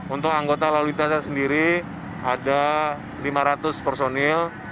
untuk anggota lalu lintasnya sendiri ada lima ratus personil